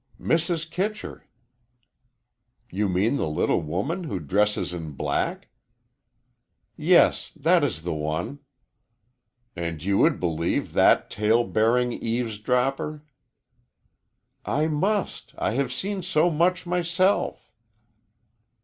"Mrs. Kitcher." "You mean the little woman who dresses in black?" "Yes, that is the one." "And you would believe that tale bearing eavesdropper?" "I must. I have seen so much myself."